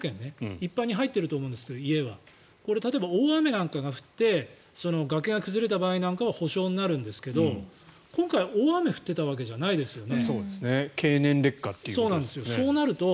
一般に家は入ってると思いますが例えば大雨なんかが降って崖が崩れた場合なんかは補償になるんですけど今回、大雨が降ってたわけじゃないですよね。